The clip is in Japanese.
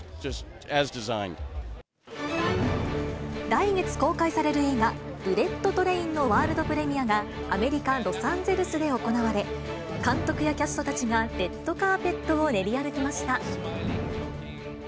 来月公開される映画、ブレット・トレインのワールドプレミアが、アメリカ・ロサンゼルスで行われ、監督やキャストたちが、レッドカーペットを練り歩きました。